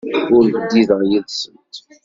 Ur bdideɣ yid-sent.